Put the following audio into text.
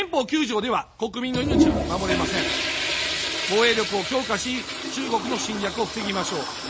防衛力を強化し、中国の侵略を防ぎましょう。